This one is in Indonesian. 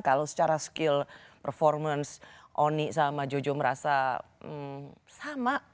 kalau secara skill performance oni sama jojo merasa sama